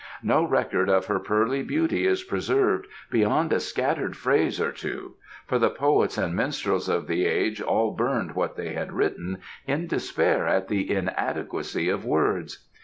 No record of her pearly beauty is preserved beyond a scattered phrase or two; for the poets and minstrels of the age all burned what they had written, in despair at the inadequacy of words.